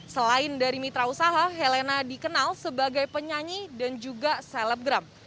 selain dari mitra usaha helena dikenal sebagai penyanyi dan juga selebgram